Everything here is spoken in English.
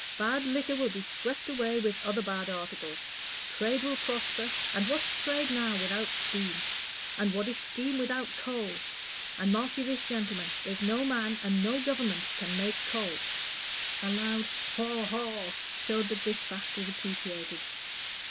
Bad liquor will be swept away with other bad articles. Trade will prosper and what's trade now without steam? and what is steam without coal? And mark you this, gentlemen there's no man and no government can make coal." A loud "Haw, haw," showed that this fact was appreciated.